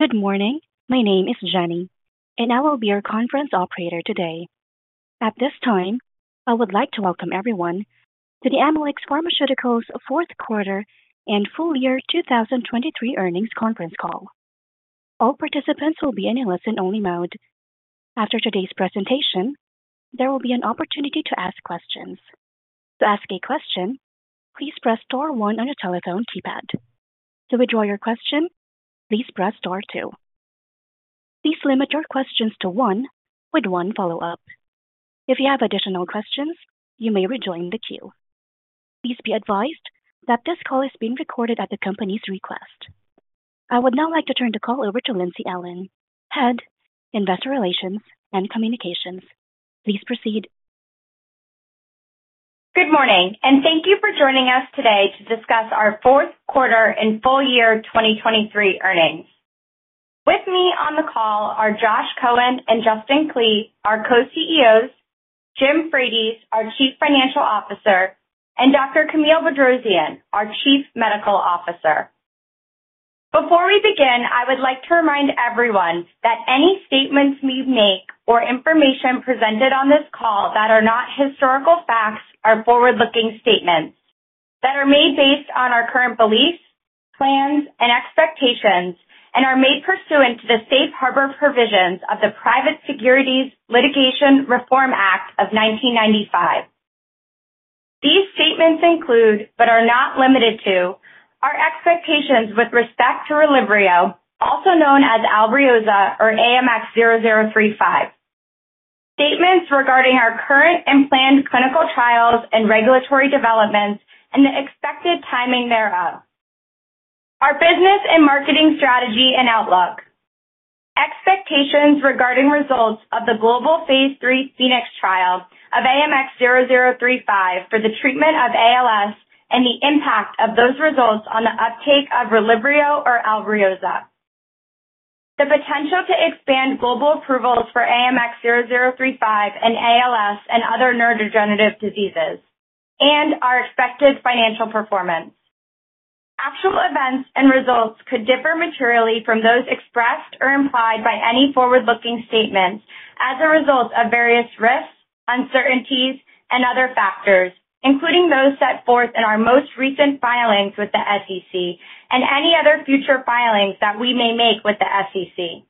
Good morning, my name is Jenny, and I will be your conference operator today. At this time, I would like to welcome everyone to the Amylyx Pharmaceuticals' fourth quarter and full year 2023 earnings conference call. All participants will be in a listen-only mode. After today's presentation, there will be an opportunity to ask questions. To ask a question, please press star one on your telephone keypad. To withdraw your question, please press star two. Please limit your questions to one with one follow-up. If you have additional questions, you may rejoin the queue. Please be advised that this call is being recorded at the company's request. I would now like to turn the call over to Lindsey Allen, Head Investor Relations and Communications. Please proceed. Good morning, and thank you for joining us today to discuss our fourth quarter and full year 2023 earnings. With me on the call are Josh Cohen and Justin Klee, our co-CEOs, Jim Frates, our Chief Financial Officer, and Dr. Camille Bedrosian, our Chief Medical Officer. Before we begin, I would like to remind everyone that any statements we make or information presented on this call that are not historical facts are forward-looking statements that are made based on our current beliefs, plans, and expectations, and are made pursuant to the Safe Harbor provisions of the Private Securities Litigation Reform Act of 1995. These statements include, but are not limited to, our expectations with respect to RELYVRIO, also known as ALBRIOZA or AMX0035, statements regarding our current and planned clinical trials and regulatory developments and the expected timing thereof, our business and marketing strategy and outlook, expectations regarding results of the global phase III PHOENIX trial of AMX0035 for the treatment of ALS and the impact of those results on the uptake of RELYVRIO or ALBRIOZA, the potential to expand global approvals for AMX0035 and ALS and other neurodegenerative diseases, and our expected financial performance. Actual events and results could differ materially from those expressed or implied by any forward-looking statements as a result of various risks, uncertainties, and other factors, including those set forth in our most recent filings with the SEC and any other future filings that we may make with the SEC.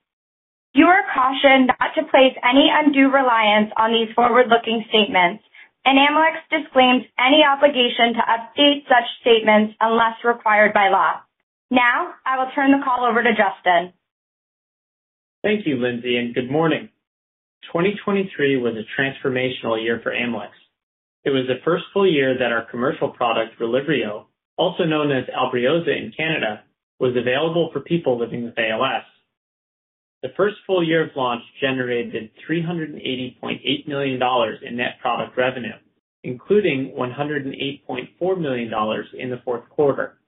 You are cautioned not to place any undue reliance on these forward-looking statements, and Amylyx disclaims any obligation to update such statements unless required by law. Now, I will turn the call over to Justin. Thank you, Lindsey, and good morning. 2023 was a transformational year for Amylyx. It was the first full year that our commercial product, RELYVRIO, also known as ALBRIOZA in Canada, was available for people living with ALS. The first full year of launch generated $380.8 million in net product revenue, including $108.4 million in the fourth quarter.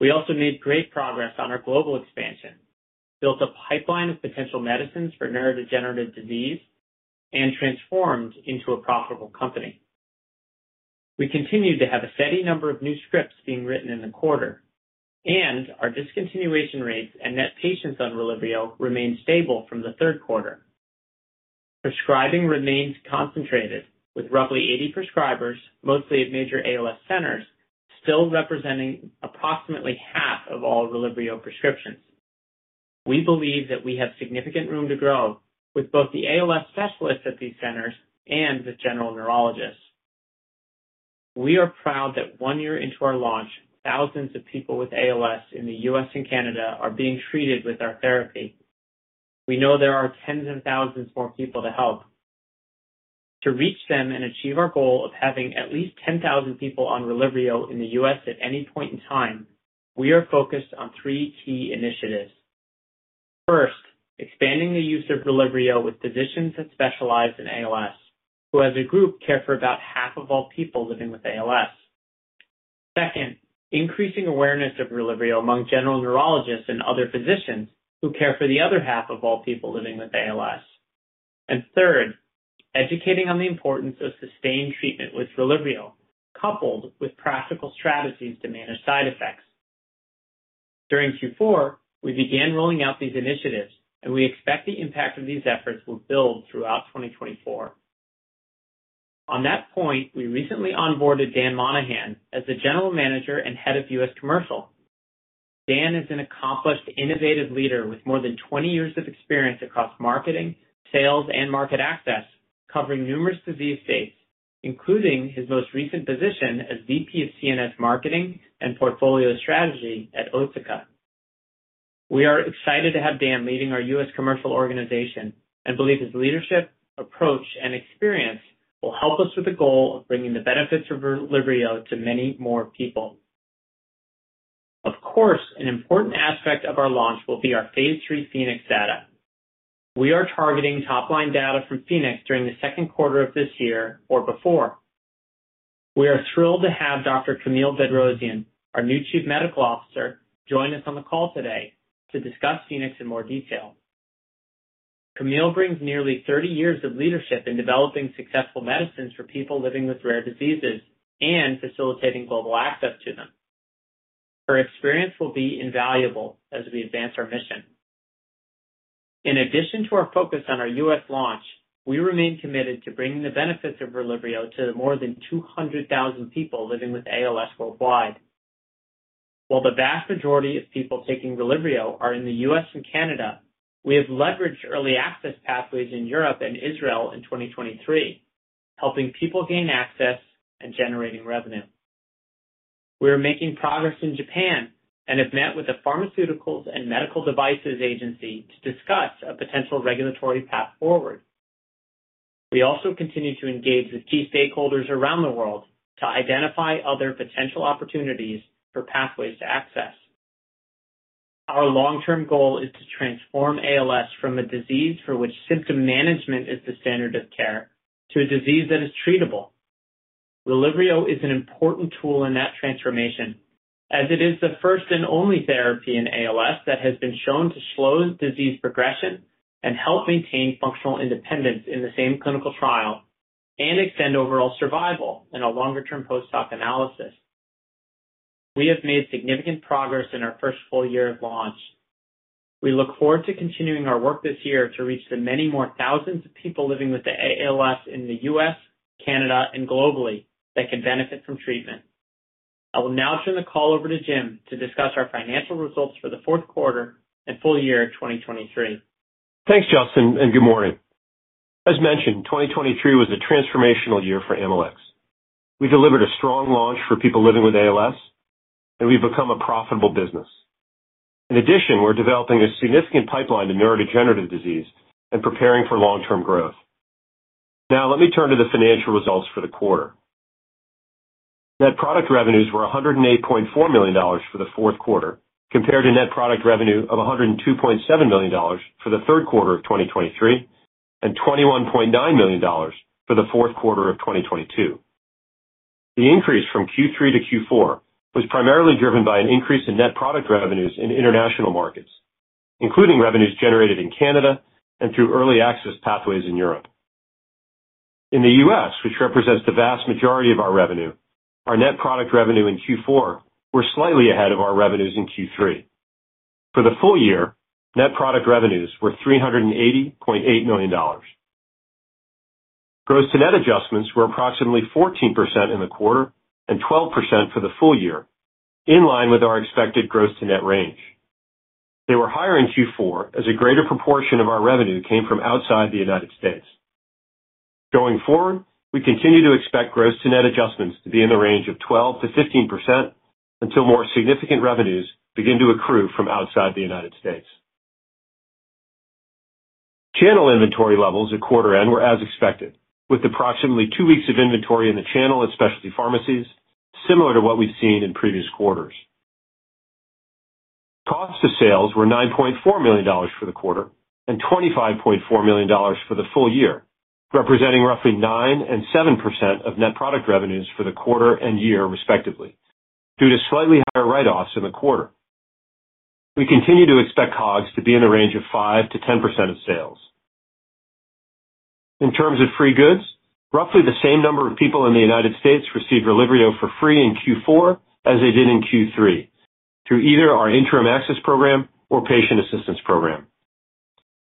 We also made great progress on our global expansion, built a pipeline of potential medicines for neurodegenerative disease, and transformed into a profitable company. We continue to have a steady number of new scripts being written in the quarter, and our discontinuation rates and net patients on RELYVRIO remain stable from the third quarter. Prescribing remains concentrated, with roughly 80 prescribers, mostly at major ALS centers, still representing approximately half of all RELYVRIO prescriptions. We believe that we have significant room to grow with both the ALS specialists at these centers and the general neurologists. We are proud that one year into our launch, thousands of people with ALS in the U.S. and Canada are being treated with our therapy. We know there are tens of thousands more people to help. To reach them and achieve our goal of having at least 10,000 people on RELYVRIO in the U.S. at any point in time, we are focused on three key initiatives. First, expanding the use of RELYVRIO with physicians that specialize in ALS, who as a group care for about half of all people living with ALS. Second, increasing awareness of RELYVRIO among general neurologists and other physicians who care for the other half of all people living with ALS. Third, educating on the importance of sustained treatment with RELYVRIO, coupled with practical strategies to manage side effects. During Q4, we began rolling out these initiatives, and we expect the impact of these efforts will build throughout 2024. On that point, we recently onboarded Dan Monahan as the General Manager and Head of U.S. Commercial. Dan is an accomplished, innovative leader with more than 20 years of experience across marketing, sales, and market access, covering numerous disease states, including his most recent position as VP of CNS Marketing and Portfolio Strategy at Otsuka. We are excited to have Dan leading our U.S. commercial organization and believe his leadership, approach, and experience will help us with the goal of bringing the benefits of RELYVRIO to many more people. Of course, an important aspect of our launch will be our phase III PHOENIX data. We are targeting top-line data from PHOENIX during the second quarter of this year or before. We are thrilled to have Dr. Camille Bedrosian, our new Chief Medical Officer, join us on the call today to discuss PHOENIX in more detail. Camille brings nearly 30 years of leadership in developing successful medicines for people living with rare diseases and facilitating global access to them. Her experience will be invaluable as we advance our mission. In addition to our focus on our U.S. launch, we remain committed to bringing the benefits of RELYVRIO to more than 200,000 people living with ALS worldwide. While the vast majority of people taking RELYVRIO are in the U.S. and Canada, we have leveraged early access pathways in Europe and Israel in 2023, helping people gain access and generating revenue. We are making progress in Japan and have met with the Pharmaceuticals and Medical Devices Agency to discuss a potential regulatory path forward. We also continue to engage with key stakeholders around the world to identify other potential opportunities for pathways to access. Our long-term goal is to transform ALS from a disease for which symptom management is the standard of care to a disease that is treatable. RELYVRIO is an important tool in that transformation, as it is the first and only therapy in ALS that has been shown to slow disease progression and help maintain functional independence in the same clinical trial and extend overall survival in a longer-term post-hoc analysis. We have made significant progress in our first full year of launch. We look forward to continuing our work this year to reach the many more thousands of people living with ALS in the U.S., Canada, and globally that can benefit from treatment. I will now turn the call over to Jim to discuss our financial results for the fourth quarter and full year of 2023. Thanks, Justin, and good morning. As mentioned, 2023 was a transformational year for Amylyx. We delivered a strong launch for people living with ALS, and we've become a profitable business. In addition, we're developing a significant pipeline to neurodegenerative disease and preparing for long-term growth. Now, let me turn to the financial results for the quarter. Net product revenues were $108.4 million for the fourth quarter compared to net product revenue of $102.7 million for the third quarter of 2023 and $21.9 million for the fourth quarter of 2022. The increase from Q3 to Q4 was primarily driven by an increase in net product revenues in international markets, including revenues generated in Canada and through early access pathways in Europe. In the U.S., which represents the vast majority of our revenue, our net product revenue in Q4 was slightly ahead of our revenues in Q3. For the full year, net product revenues were $380.8 million. Gross-to-net adjustments were approximately 14% in the quarter and 12% for the full year, in line with our expected gross-to-net range. They were higher in Q4 as a greater proportion of our revenue came from outside the United States. Going forward, we continue to expect gross-to-net adjustments to be in the range of 12%-15% until more significant revenues begin to accrue from outside the United States. Channel inventory levels at quarter end were as expected, with approximately two weeks of inventory in the channel at specialty pharmacies, similar to what we've seen in previous quarters. Costs of sales were $9.4 million for the quarter and $25.4 million for the full year, representing roughly 9% and 7% of net product revenues for the quarter and year, respectively, due to slightly higher write-offs in the quarter. We continue to expect COGS to be in the range of 5%-10% of sales. In terms of free goods, roughly the same number of people in the United States received RELYVRIO for free in Q4 as they did in Q3 through either our interim access program or patient assistance program.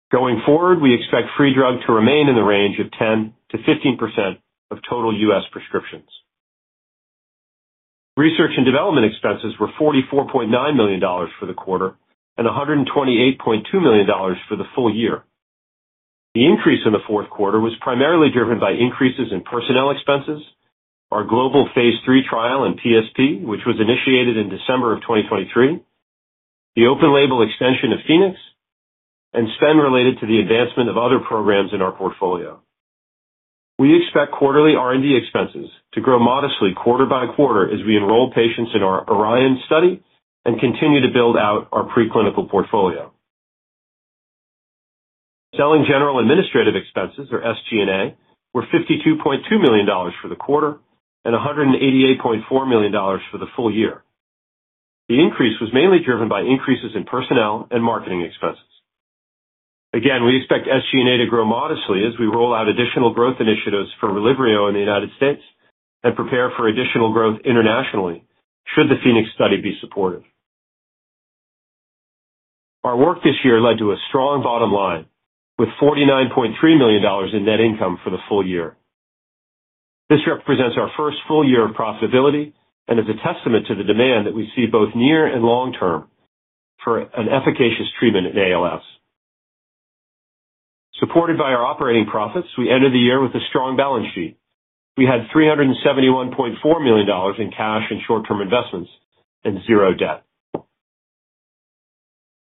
Going forward, we expect free drug to remain in the range of 10%-15% of total U.S. prescriptions. Research and development expenses were $44.9 million for the quarter and $128.2 million for the full year. The increase in the fourth quarter was primarily driven by increases in personnel expenses, our global phase III trial and PSP, which was initiated in December of 2023, the open-label extension of PHOENIX, and spend related to the advancement of other programs in our portfolio. We expect quarterly R&D expenses to grow modestly quarter by quarter as we enroll patients in our ORION study and continue to build out our preclinical portfolio. Selling general administrative expenses, or SG&A, were $52.2 million for the quarter and $188.4 million for the full year. The increase was mainly driven by increases in personnel and marketing expenses. Again, we expect SG&A to grow modestly as we roll out additional growth initiatives for RELYVRIO in the United States and prepare for additional growth internationally should the PHOENIX study be supportive. Our work this year led to a strong bottom line with $49.3 million in net income for the full year. This represents our first full year of profitability and is a testament to the demand that we see both near and long-term for an efficacious treatment in ALS. Supported by our operating profits, we entered the year with a strong balance sheet. We had $371.4 million in cash and short-term investments and zero debt.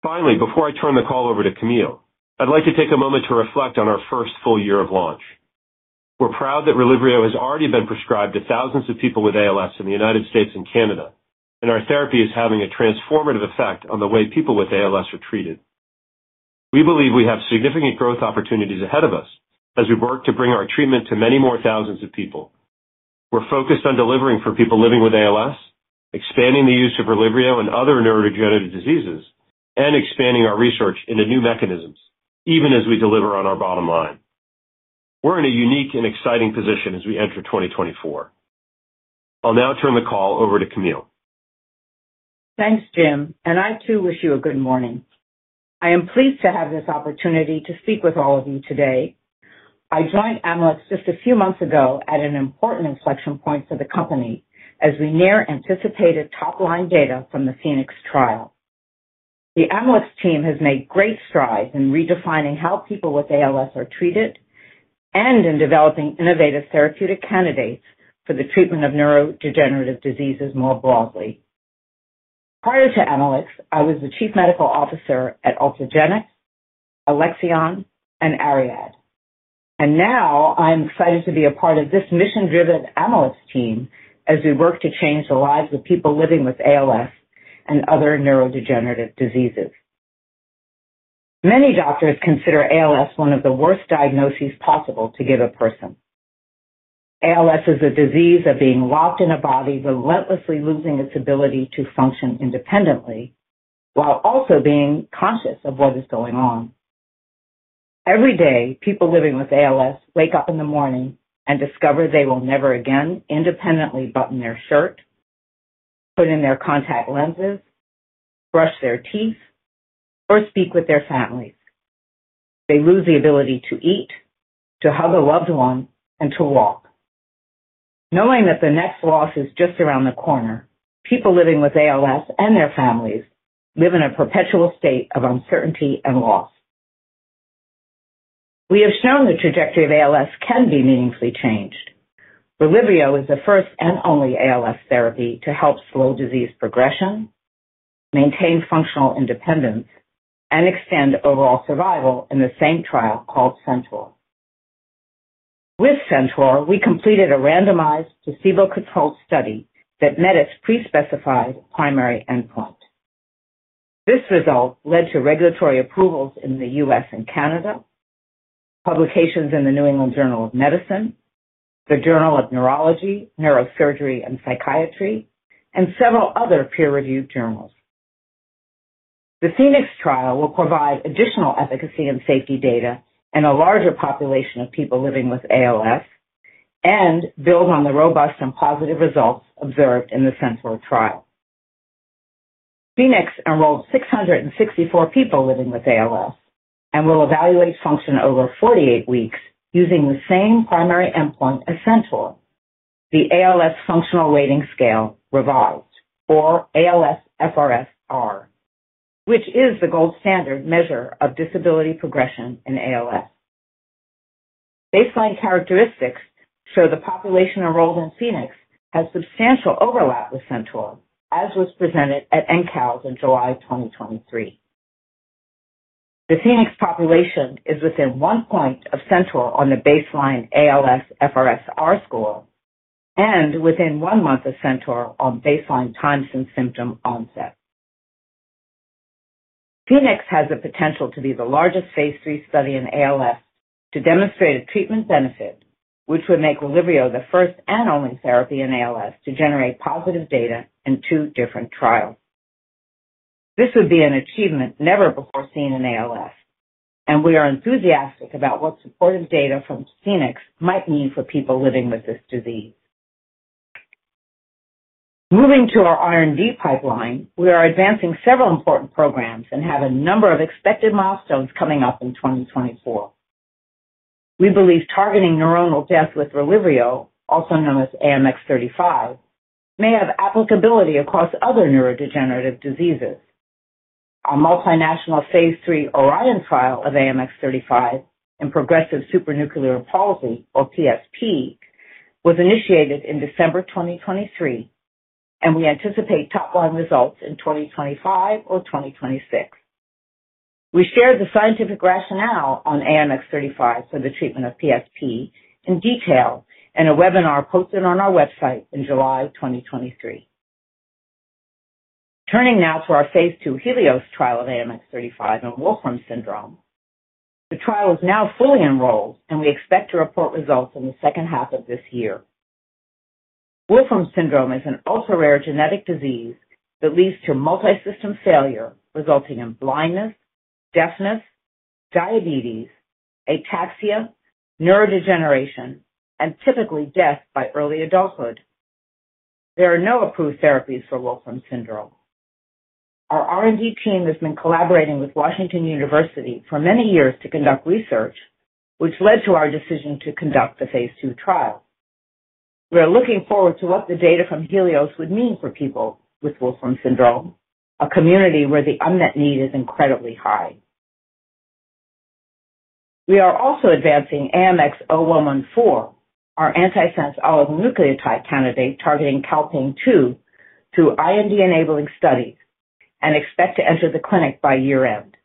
Finally, before I turn the call over to Camille, I'd like to take a moment to reflect on our first full year of launch. We're proud that RELYVRIO has already been prescribed to thousands of people with ALS in the United States and Canada, and our therapy is having a transformative effect on the way people with ALS are treated. We believe we have significant growth opportunities ahead of us as we work to bring our treatment to many more thousands of people. We're focused on delivering for people living with ALS, expanding the use of RELYVRIO and other neurodegenerative diseases, and expanding our research into new mechanisms, even as we deliver on our bottom line. We're in a unique and exciting position as we enter 2024. I'll now turn the call over to Camille. Thanks, Jim, and I too wish you a good morning. I am pleased to have this opportunity to speak with all of you today. I joined Amylyx just a few months ago at an important inflection point for the company as we near-anticipated top-line data from the PHOENIX trial. The Amylyx team has made great strides in redefining how people with ALS are treated and in developing innovative therapeutic candidates for the treatment of neurodegenerative diseases more broadly. Prior to Amylyx, I was the Chief Medical Officer at Ultragenyx, Alexion, and ARIAD. And now, I am excited to be a part of this mission-driven Amylyx team as we work to change the lives of people living with ALS and other neurodegenerative diseases. Many doctors consider ALS one of the worst diagnoses possible to give a person. ALS is a disease of being locked in a body, relentlessly losing its ability to function independently while also being conscious of what is going on. Every day, people living with ALS wake up in the morning and discover they will never again independently button their shirt, put in their contact lenses, brush their teeth, or speak with their families. They lose the ability to eat, to hug a loved one, and to walk. Knowing that the next loss is just around the corner, people living with ALS and their families live in a perpetual state of uncertainty and loss. We have shown the trajectory of ALS can be meaningfully changed. RELYVRIO is the first and only ALS therapy to help slow disease progression, maintain functional independence, and extend overall survival in the same trial called CENTAUR. With CENTAUR, we completed a randomized, placebo-controlled study that met its prespecified primary endpoint. This result led to regulatory approvals in the U.S. and Canada, publications in the New England Journal of Medicine, the Journal of Neurology, Neurosurgery, and Psychiatry, and several other peer-reviewed journals. The PHOENIX trial will provide additional efficacy and safety data in a larger population of people living with ALS and build on the robust and positive results observed in the CENTAUR trial. PHOENIX enrolled 664 people living with ALS and will evaluate function over 48 weeks using the same primary endpoint as CENTAUR, the ALS Functional Rating Scale-Revised, or ALSFRS-R, which is the gold standard measure of disability progression in ALS. Baseline characteristics show the population enrolled in PHOENIX has substantial overlap with CENTAUR, as was presented at NEALS in July 2023. The PHOENIX population is within one point of CENTAUR on the baseline ALSFRS-R score and within one month of CENTAUR on baseline time since symptom onset. PHOENIX has the potential to be the largest phase III study in ALS to demonstrate a treatment benefit, which would make RELYVRIO the first and only therapy in ALS to generate positive data in two different trials. This would be an achievement never before seen in ALS, and we are enthusiastic about what supportive data from PHOENIX might mean for people living with this disease. Moving to our R&D pipeline, we are advancing several important programs and have a number of expected milestones coming up in 2024. We believe targeting neuronal death with RELYVRIO, also known as AMX0035, may have applicability across other neurodegenerative diseases. Our multinational phase III ORION trial of AMX0035 in progressive supranuclear palsy, or PSP, was initiated in December 2023, and we anticipate top-line results in 2025 or 2026. We shared the scientific rationale on AMX0035 for the treatment of PSP in detail in a webinar posted on our website in July 2023. Turning now to our phase II HELIOS trial of AMX0035 in Wolfram syndrome, the trial is now fully enrolled, and we expect to report results in the second half of this year. Wolfram syndrome is an ultra-rare genetic disease that leads to multi-system failure, resulting in blindness, deafness, diabetes, ataxia, neurodegeneration, and typically death by early adulthood. There are no approved therapies for Wolfram syndrome. Our R&D team has been collaborating with Washington University for many years to conduct research, which led to our decision to conduct the phase II trial. We are looking forward to what the data from HELIOS would mean for people with Wolfram syndrome, a community where the unmet need is incredibly high. We are also advancing AMX0114, our antisense oligonucleotide candidate targeting Calpain-2 through IND-enabling studies, and expect to enter the clinic by year-end.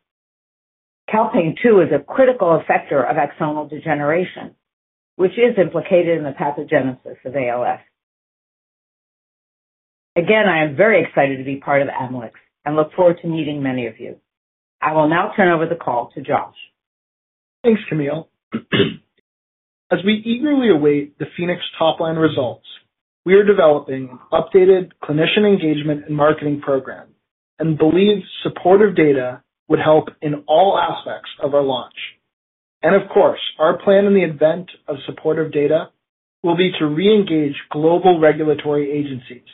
Calpain-2 is a critical effector of axonal degeneration, which is implicated in the pathogenesis of ALS. Again, I am very excited to be part of Amylyx and look forward to meeting many of you. I will now turn over the call to Josh. Thanks, Camille. As we eagerly await the PHOENIX top-line results, we are developing an updated clinician engagement and marketing program and believe supportive data would help in all aspects of our launch. And of course, our plan in the event of supportive data will be to re-engage global regulatory agencies,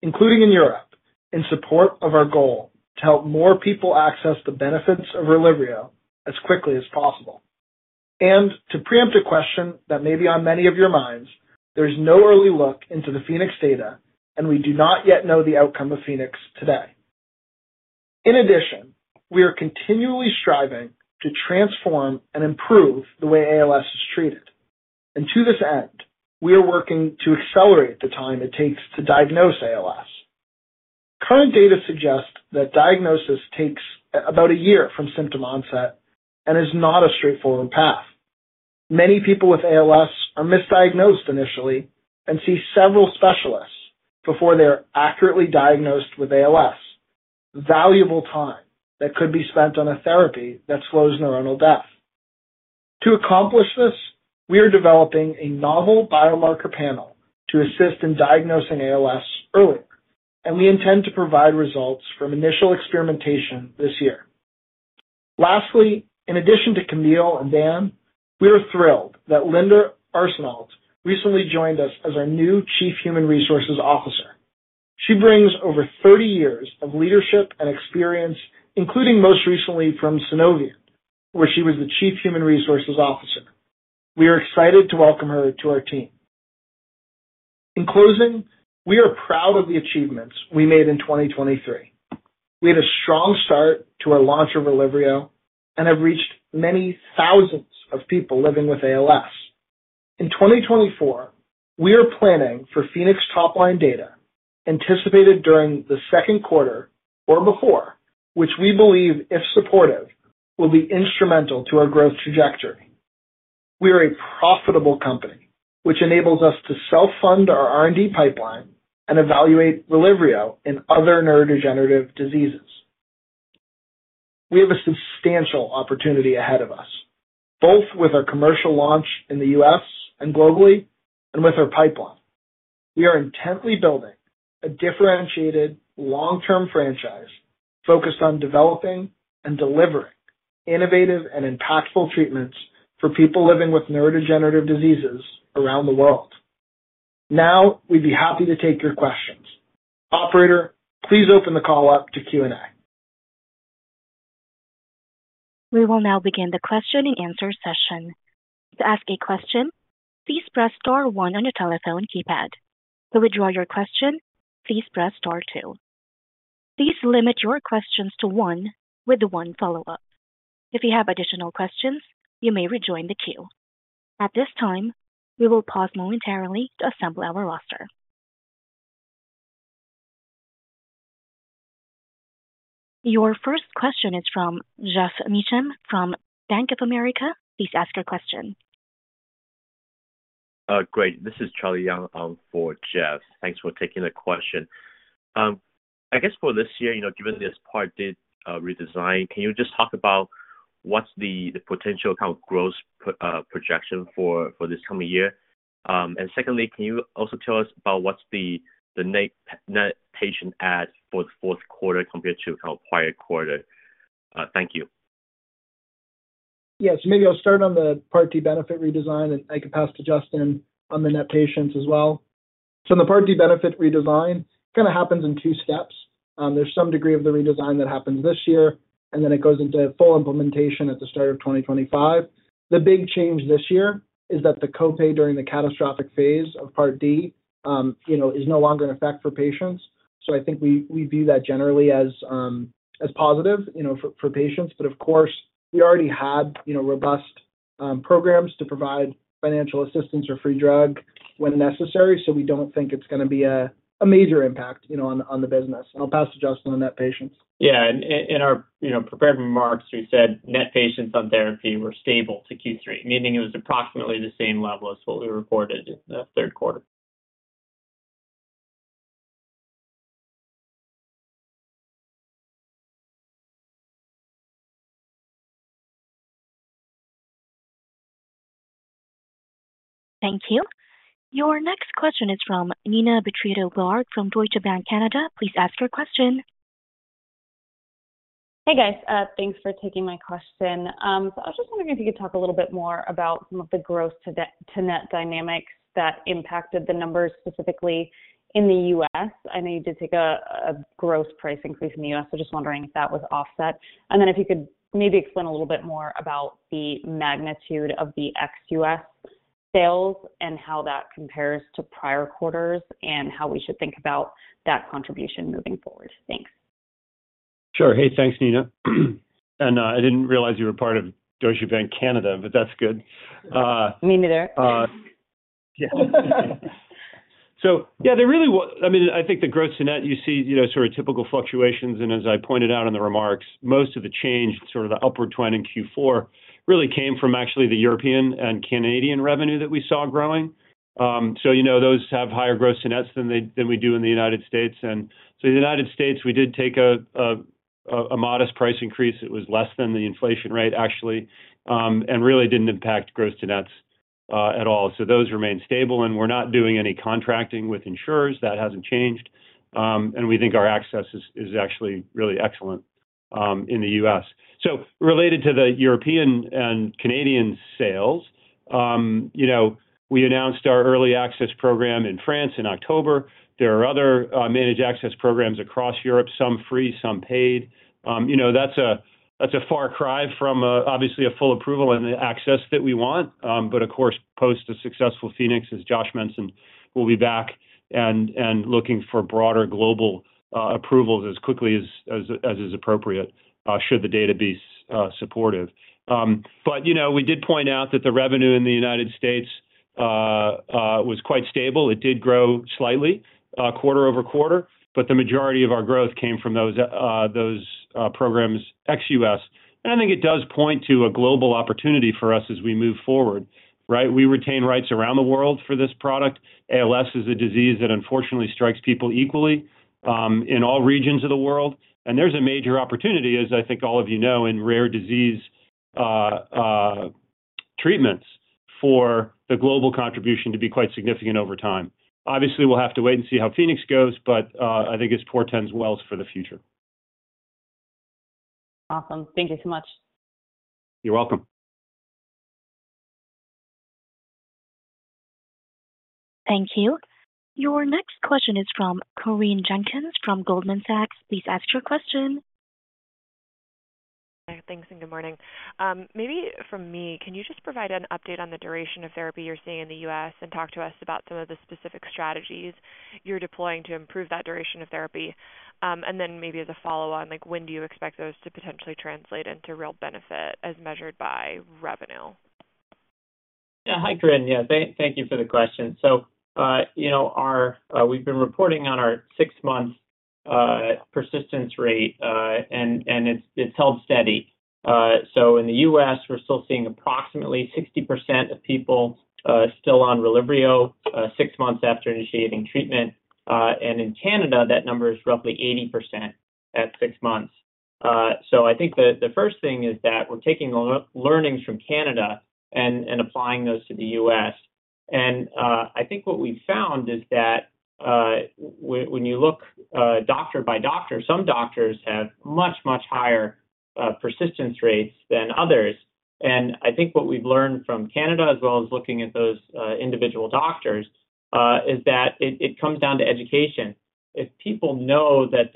including in Europe, in support of our goal to help more people access the benefits of RELYVRIO as quickly as possible. And to preempt a question that may be on many of your minds, there's no early look into the PHOENIX data, and we do not yet know the outcome of PHOENIX today. In addition, we are continually striving to transform and improve the way ALS is treated. And to this end, we are working to accelerate the time it takes to diagnose ALS. Current data suggest that diagnosis takes about a year from symptom onset and is not a straightforward path. Many people with ALS are misdiagnosed initially and see several specialists before they are accurately diagnosed with ALS, valuable time that could be spent on a therapy that slows neuronal death. To accomplish this, we are developing a novel biomarker panel to assist in diagnosing ALS earlier, and we intend to provide results from initial experimentation this year. Lastly, in addition to Camille and Dan, we are thrilled that Linda Arsenault recently joined us as our new Chief Human Resources Officer. She brings over 30 years of leadership and experience, including most recently from Syneos Health, where she was the Chief Human Resources Officer. We are excited to welcome her to our team. In closing, we are proud of the achievements we made in 2023. We had a strong start to our launch of RELYVRIO and have reached many thousands of people living with ALS. In 2024, we are planning for PHOENIX top-line data anticipated during the second quarter or before, which we believe, if supportive, will be instrumental to our growth trajectory. We are a profitable company, which enables us to self-fund our R&D pipeline and evaluate RELYVRIO in other neurodegenerative diseases. We have a substantial opportunity ahead of us, both with our commercial launch in the U.S. and globally, and with our pipeline. We are intently building a differentiated, long-term franchise focused on developing and delivering innovative and impactful treatments for people living with neurodegenerative diseases around the world. Now, we'd be happy to take your questions. Operator, please open the call up to Q&A. We will now begin the question-and-answer session. To ask a question, please press star one on your telephone keypad. To withdraw your question, please press star two. Please limit your questions to one with one follow-up. If you have additional questions, you may rejoin the queue. At this time, we will pause momentarily to assemble our roster. Your first question is from Geoff Meacham from Bank of America. Please ask your question. Great. This is Charlie Yang for Geoff. Thanks for taking the question. I guess for this year, given this Part D redesign, can you just talk about what's the potential growth projection for this coming year? And secondly, can you also tell us about what's the net patient add for the fourth quarter compared to prior quarter? Thank you. Yes. Maybe I'll start on the Part D benefit redesign, and I could pass to Justin on the net patients as well. So in the Part D benefit redesign, it kind of happens in two steps. There's some degree of the redesign that happens this year, and then it goes into full implementation at the start of 2025. The big change this year is that the copay during the catastrophic phase of Part D is no longer in effect for patients. So I think we view that generally as positive for patients. But of course, we already had robust programs to provide financial assistance or free drug when necessary, so we don't think it's going to be a major impact on the business. And I'll pass to Justin on net patients. Yeah. In our prepared remarks, we said net patients on therapy were stable to Q3, meaning it was approximately the same level as what we reported in the third quarter. Thank you. Your next question is from Neena Bitritto-Garg from Deutsche Bank Canada. Please ask your question. Hey, guys. Thanks for taking my question. So I was just wondering if you could talk a little bit more about some of the gross-to-net dynamics that impacted the numbers specifically in the U.S. I know you did take a gross price increase in the U.S., so just wondering if that was offset. And then if you could maybe explain a little bit more about the magnitude of the ex-U.S. sales and how that compares to prior quarters and how we should think about that contribution moving forward. Thanks. Sure. Hey, thanks, Neena. I didn't realize you were part of Deutsche Bank Canada, but that's good. Me neither. Yeah. So yeah, I mean, I think the gross-to-net, you see sort of typical fluctuations. And as I pointed out in the remarks, most of the change, sort of the upward trend in Q4, really came from actually the European and Canadian revenue that we saw growing. So those have higher gross-to-nets than we do in the United States. And so in the United States, we did take a modest price increase. It was less than the inflation rate, actually, and really didn't impact gross-to-nets at all. So those remain stable. And we're not doing any contracting with insurers. That hasn't changed. And we think our access is actually really excellent in the US. So related to the European and Canadian sales, we announced our early access program in France in October. There are other managed access programs across Europe, some free, some paid. That's a far cry from, obviously, a full approval and the access that we want. But of course, post a successful PHOENIX, as Josh mentioned we'll be back, and looking for broader global approvals as quickly as is appropriate should the data be supportive. But we did point out that the revenue in the United States was quite stable. It did grow slightly quarter-over-quarter, but the majority of our growth came from those programs, ex-US. And I think it does point to a global opportunity for us as we move forward, right? We retain rights around the world for this product. ALS is a disease that, unfortunately, strikes people equally in all regions of the world. And there's a major opportunity, as I think all of you know, in rare disease treatments for the global contribution to be quite significant over time. Obviously, we'll have to wait and see how PHOENIX goes, but I think it portends well for the future. Awesome. Thank you so much. You're welcome. Thank you. Your next question is from Corinne Jenkins from Goldman Sachs. Please ask your question. Thanks. Good morning. Maybe from me, can you just provide an update on the duration of therapy you're seeing in the U.S. and talk to us about some of the specific strategies you're deploying to improve that duration of therapy? And then maybe as a follow-on, when do you expect those to potentially translate into real benefit as measured by revenue? Yeah. Hi, Corinne. Yeah. Thank you for the question. We've been reporting on our six-month persistence rate, and it's held steady. In the U.S., we're still seeing approximately 60% of people still on RELYVRIO six months after initiating treatment. In Canada, that number is roughly 80% at six months. I think the first thing is that we're taking learnings from Canada and applying those to the U.S. I think what we've found is that when you look doctor by doctor, some doctors have much, much higher persistence rates than others. What we've learned from Canada, as well as looking at those individual doctors, is that it comes down to education. If people know that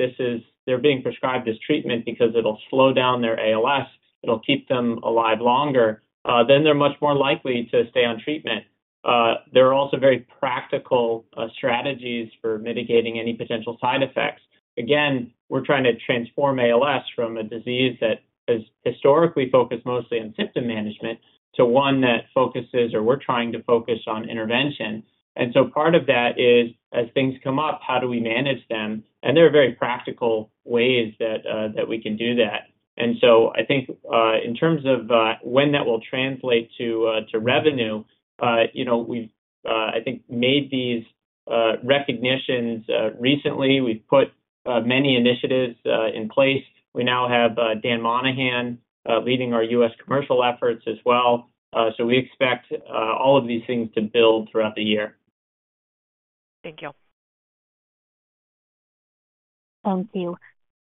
they're being prescribed this treatment because it'll slow down their ALS, it'll keep them alive longer, then they're much more likely to stay on treatment. There are also very practical strategies for mitigating any potential side effects. Again, we're trying to transform ALS from a disease that has historically focused mostly on symptom management to one that focuses or we're trying to focus on intervention. And so part of that is, as things come up, how do we manage them? And there are very practical ways that we can do that. And so I think in terms of when that will translate to revenue, we've, I think, made these recognitions recently. We've put many initiatives in place. We now have Dan Monahan leading our U.S. commercial efforts as well. So we expect all of these things to build throughout the year. Thank you. Thank you.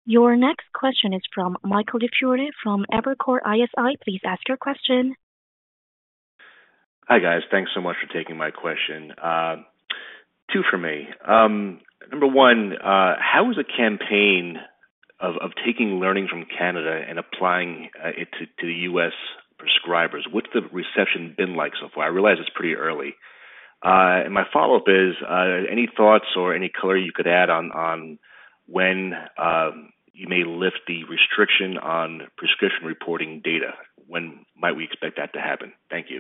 Your next question is from Michael DiFiore from Evercore ISI. Please ask your question. Hi, guys. Thanks so much for taking my question. two for me. Number one, how has a campaign of taking learnings from Canada and applying it to the US prescribers? What's the reception been like so far? I realize it's pretty early. My follow-up is, any thoughts or any color you could add on when you may lift the restriction on prescription reporting data? When might we expect that to happen? Thank you.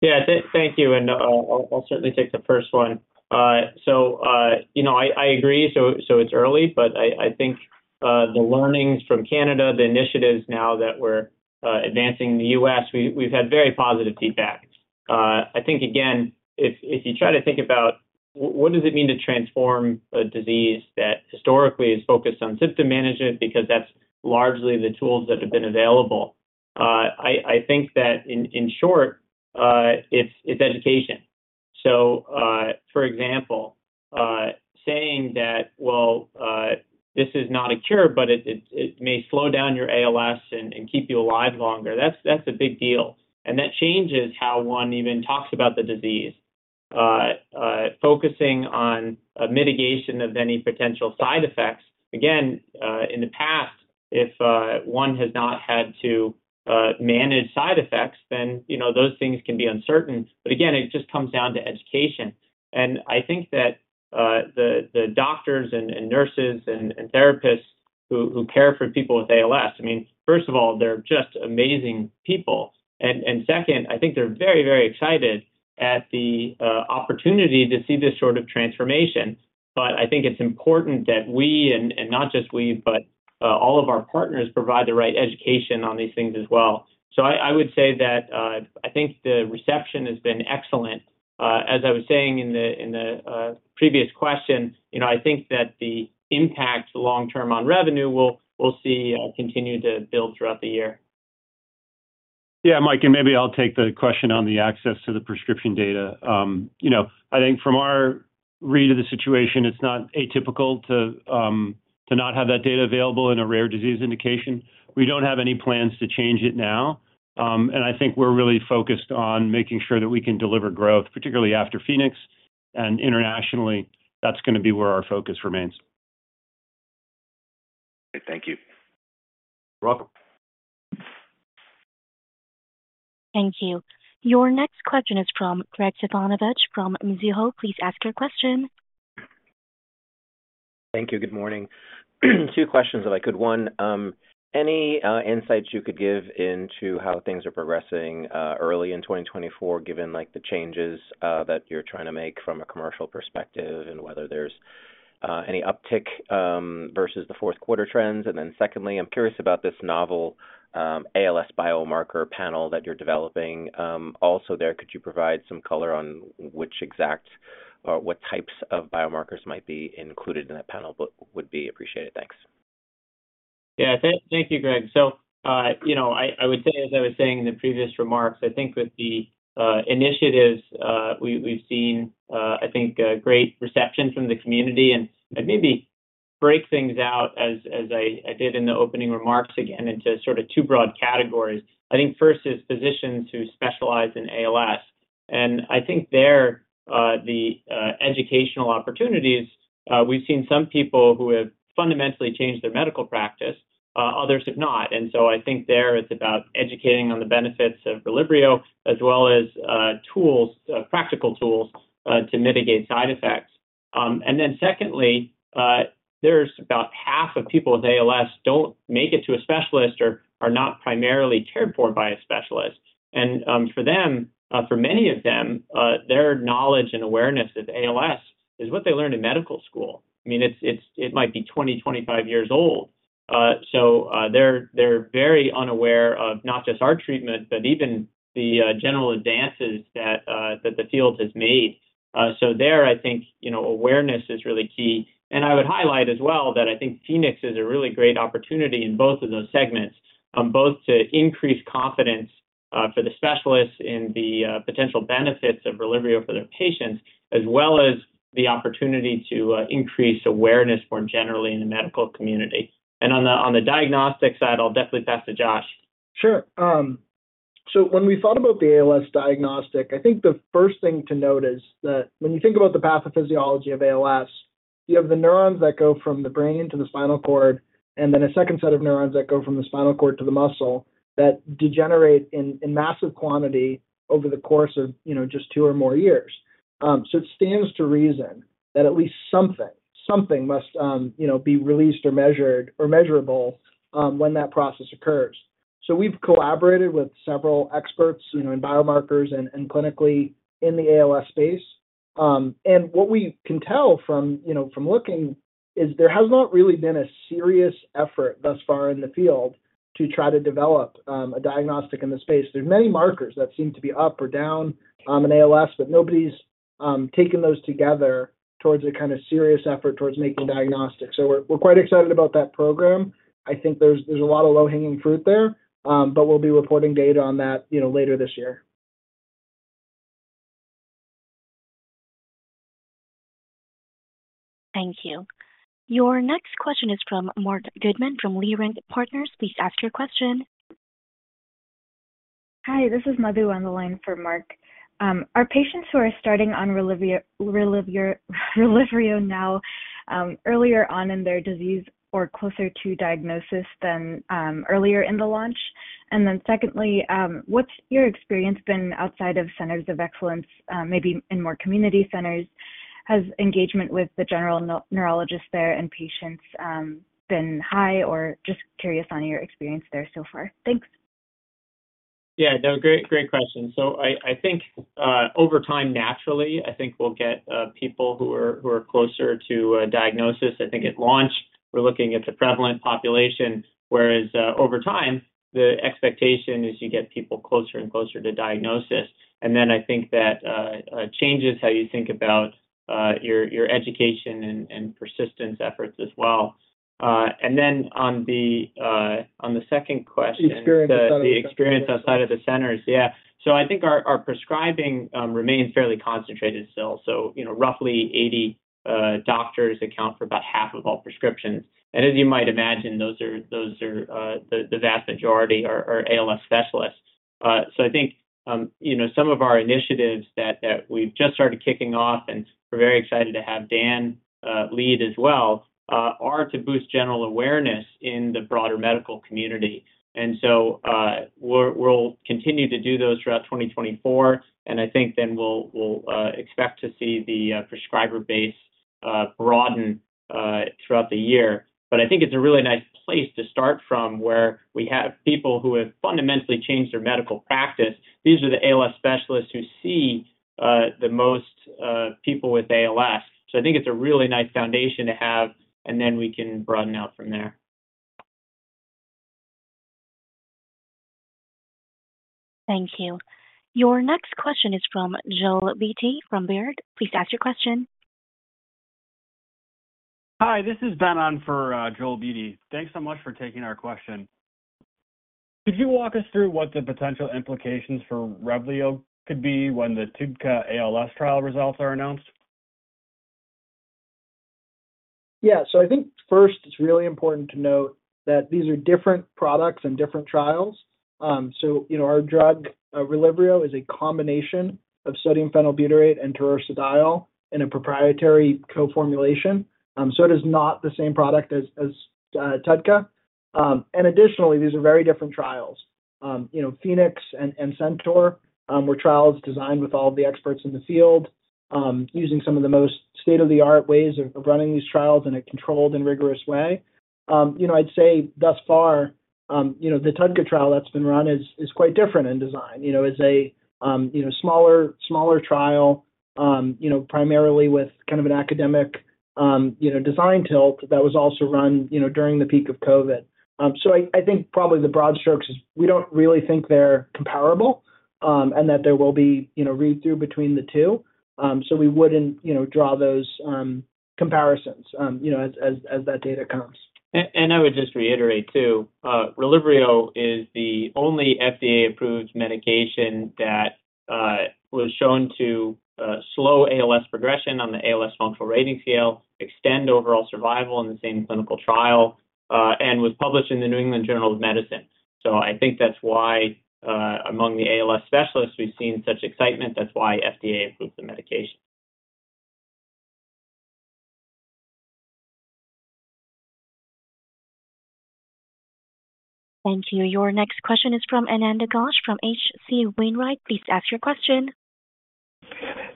Yeah. Thank you. I'll certainly take the first one. I agree. It's early, but I think the learnings from Canada, the initiatives now that we're advancing in the U.S., we've had very positive feedback. I think, again, if you try to think about what does it mean to transform a disease that historically is focused on symptom management because that's largely the tools that have been available? I think that, in short, it's education. For example, saying that, "Well, this is not a cure, but it may slow down your ALS and keep you alive longer," that's a big deal. That changes how one even talks about the disease. Focusing on mitigation of any potential side effects, again, in the past, if one has not had to manage side effects, then those things can be uncertain. Again, it just comes down to education. I think that the doctors and nurses and therapists who care for people with ALS, I mean, first of all, they're just amazing people. Second, I think they're very, very excited at the opportunity to see this sort of transformation. I think it's important that we and not just we, but all of our partners provide the right education on these things as well. I would say that I think the reception has been excellent. As I was saying in the previous question, I think that the impact long-term on revenue, we'll see continue to build throughout the year. Yeah, Mike, and maybe I'll take the question on the access to the prescription data. I think from our read of the situation, it's not atypical to not have that data available in a rare disease indication. We don't have any plans to change it now. I think we're really focused on making sure that we can deliver growth, particularly after PHOENIX. Internationally, that's going to be where our focus remains. Great. Thank you. You're welcome. Thank you. Your next question is from Graig Suvannavejh from Mizuho. Please ask your question. Thank you. Good morning. Two questions if I could. One, any insights you could give into how things are progressing early in 2024, given the changes that you're trying to make from a commercial perspective and whether there's any uptick versus the fourth-quarter trends? And then secondly, I'm curious about this novel ALS biomarker panel that you're developing. Also there, could you provide some color on what types of biomarkers might be included in that panel? But would be appreciated. Thanks. Yeah. Thank you, Graig. So I would say, as I was saying in the previous remarks, I think with the initiatives, we've seen, I think, great reception from the community. I'd maybe break things out as I did in the opening remarks again into sort of two broad categories. I think first is physicians who specialize in ALS. And I think there, the educational opportunities, we've seen some people who have fundamentally changed their medical practice, others have not. So I think there, it's about educating on the benefits of RELYVRIO as well as practical tools to mitigate side effects. And then secondly, there's about half of people with ALS who don't make it to a specialist or are not primarily cared for by a specialist. And for many of them, their knowledge and awareness of ALS is what they learned in medical school. I mean, it might be 20, 25 years old. So they're very unaware of not just our treatment, but even the general advances that the field has made. So there, I think awareness is really key. And I would highlight as well that I think PHOENIX is a really great opportunity in both of those segments, both to increase confidence for the specialists in the potential benefits of RELYVRIO for their patients, as well as the opportunity to increase awareness more generally in the medical community. And on the diagnostic side, I'll definitely pass to Josh. Sure. So when we thought about the ALS diagnostic, I think the first thing to note is that when you think about the pathophysiology of ALS, you have the neurons that go from the brain to the spinal cord, and then a second set of neurons that go from the spinal cord to the muscle that degenerate in massive quantity over the course of just two or more years. So it stands to reason that at least something must be released or measured or measurable when that process occurs. So we've collaborated with several experts in biomarkers and clinically in the ALS space. And what we can tell from looking is there has not really been a serious effort thus far in the field to try to develop a diagnostic in the space. There's many markers that seem to be up or down in ALS, but nobody's taken those together towards a kind of serious effort towards making diagnostics. So we're quite excited about that program. I think there's a lot of low-hanging fruit there, but we'll be reporting data on that later this year. Thank you. Your next question is from Mark Goodman from Leerink Partners. Please ask your question. Hi. This is Madhu on the line for Mark. Are patients who are starting on RELYVRIO now earlier on in their disease or closer to diagnosis than earlier in the launch? And then secondly, what's your experience been outside of centers of excellence, maybe in more community centers? Has engagement with the general neurologist there and patients been high, or just curious on your experience there so far? Thanks. Yeah. No, great question. So I think over time, naturally, I think we'll get people who are closer to diagnosis. I think at launch, we're looking at the prevalent population, whereas over time, the expectation is you get people closer and closer to diagnosis. And then I think that changes how you think about your education and persistence efforts as well. And then on the second question. The experience outside of the centers. The experience outside of the centers. Yeah. So I think our prescribing remains fairly concentrated still. So roughly 80 doctors account for about half of all prescriptions. And as you might imagine, those are the vast majority are ALS specialists. So I think some of our initiatives that we've just started kicking off, and we're very excited to have Dan lead as well, are to boost general awareness in the broader medical community. And so we'll continue to do those throughout 2024. And I think then we'll expect to see the prescriber base broaden throughout the year. But I think it's a really nice place to start from where we have people who have fundamentally changed their medical practice. These are the ALS specialists who see the most people with ALS. So I think it's a really nice foundation to have, and then we can broaden out from there. Thank you. Your next question is from Joel Beatty from Baird. Please ask your question. Hi. This is Ben on for Joel Beatty. Thanks so much for taking our question. Could you walk us through what the potential implications for RELYVRIO could be when the TUDCA ALS trial results are announced? Yeah. So I think first, it's really important to note that these are different products and different trials. So our drug, RELYVRIO, is a combination of sodium phenylbutyrate and taurursodiol in a proprietary coformulation. So it is not the same product as TUDCA. And additionally, these are very different trials. PHOENIX and CENTAUR were trials designed with all of the experts in the field, using some of the most state-of-the-art ways of running these trials in a controlled and rigorous way. I'd say thus far, the TUDCA trial that's been run is quite different in design. It's a smaller trial, primarily with kind of an academic design tilt that was also run during the peak of COVID. So I think probably the broad strokes is we don't really think they're comparable and that there will be read-through between the two. So we wouldn't draw those comparisons as that data comes. I would just reiterate too, RELYVRIO is the only FDA-approved medication that was shown to slow ALS progression on the ALS functional rating scale, extend overall survival in the same clinical trial, and was published in the New England Journal of Medicine. I think that's why among the ALS specialists, we've seen such excitement. That's why FDA approved the medication. Thank you. Your next question is from Ananda Ghosh from H.C. Wainwright. Please ask your question.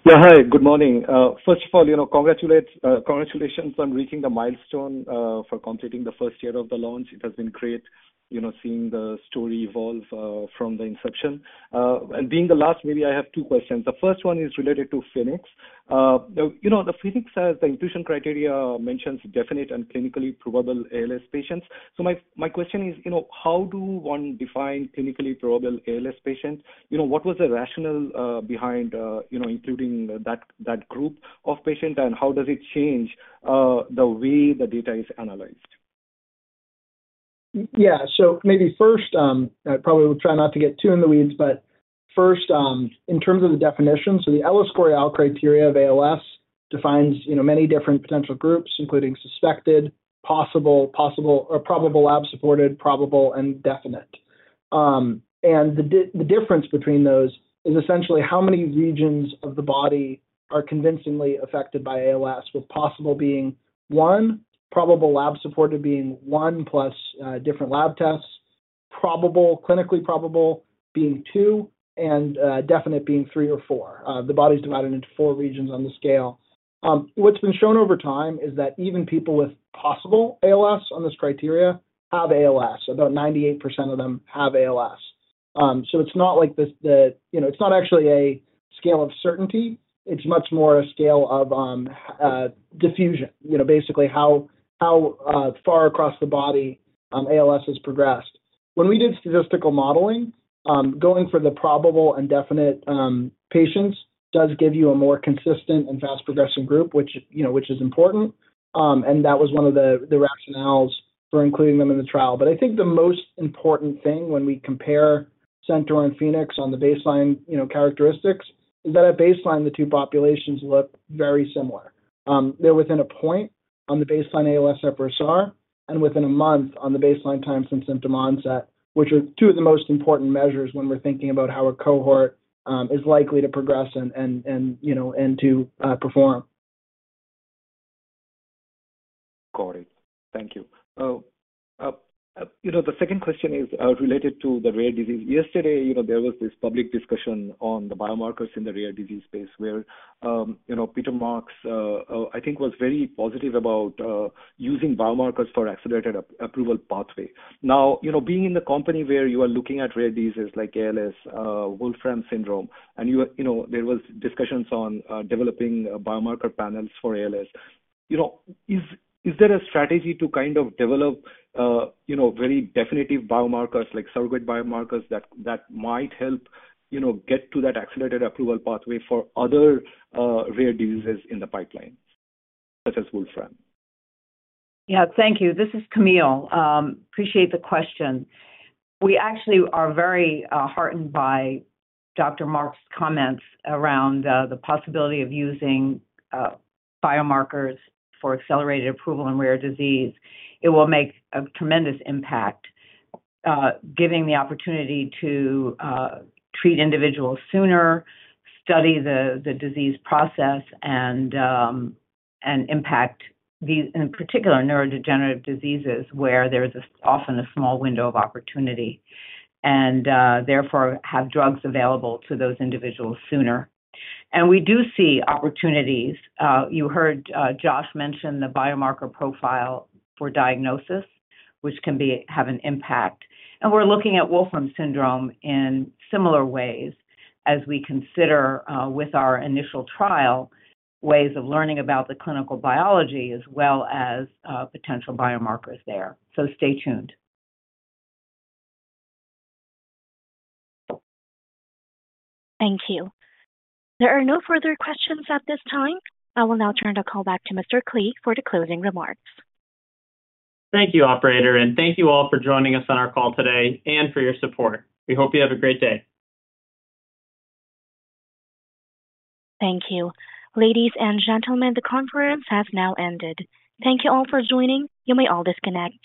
Yeah. Hi. Good morning. First of all, congratulations on reaching the milestone for completing the first year of the launch. It has been great seeing the story evolve from the inception. And being the last, maybe I have two questions. The first one is related to PHOENIX. The PHOENIX has the inclusion criteria mentions definite and clinically probable ALS patients. So my question is, how do one define clinically probable ALS patient? What was the rationale behind including that group of patients, and how does it change the way the data is analyzed? Yeah. So maybe first, I probably will try not to get too in the weeds, but first, in terms of the definition, so the El Escorial criteria of ALS defines many different potential groups, including suspected, possible, or probable lab-supported, probable, and definite. And the difference between those is essentially how many regions of the body are convincingly affected by ALS, with possible being one, probable lab-supported being one plus different lab tests, probable clinically probable being two, and definite being three or four. The body's divided into four regions on the scale. What's been shown over time is that even people with possible ALS on this criteria have ALS. About 98% of them have ALS. So it's not like it's not actually a scale of certainty. It's much more a scale of diffusion, basically how far across the body ALS has progressed. When we did statistical modeling, going for the probable and definite patients does give you a more consistent and fast-progressing group, which is important. That was one of the rationales for including them in the trial. I think the most important thing when we compare CENTAUR and PHOENIX on the baseline characteristics is that at baseline, the two populations look very similar. They're within a point on the baseline ALSFRS-R and within a month on the baseline time since symptom onset, which are two of the most important measures when we're thinking about how a cohort is likely to progress and to perform. Got it. Thank you. The second question is related to the rare disease. Yesterday, there was this public discussion on the biomarkers in the rare disease space where Peter Marks, I think, was very positive about using biomarkers for accelerated approval pathway. Now, being in the company where you are looking at rare diseases like ALS, Wolfram syndrome, and there were discussions on developing biomarker panels for ALS, is there a strategy to kind of develop very definitive biomarkers like surrogate biomarkers that might help get to that accelerated approval pathway for other rare diseases in the pipeline, such as Wolfram? Yeah. Thank you. This is Camille. Appreciate the question. We actually are very heartened by Dr. Marks's comments around the possibility of using biomarkers for accelerated approval in rare disease. It will make a tremendous impact, giving the opportunity to treat individuals sooner, study the disease process, and impact these, in particular, neurodegenerative diseases where there is often a small window of opportunity, and therefore have drugs available to those individuals sooner. And we do see opportunities. You heard Josh mention the biomarker profile for diagnosis, which can have an impact. And we're looking at Wolfram syndrome in similar ways as we consider with our initial trial ways of learning about the clinical biology as well as potential biomarkers there. So stay tuned. Thank you. There are no further questions at this time. I will now turn the call back to Mr. Klee for the closing remarks. Thank you, operator. Thank you all for joining us on our call today and for your support. We hope you have a great day. Thank you. Ladies and gentlemen, the conference has now ended. Thank you all for joining. You may all disconnect.